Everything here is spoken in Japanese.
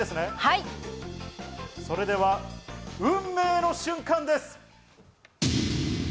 それでは運命の瞬間です。